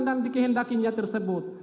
dan dikehendakinya tersebut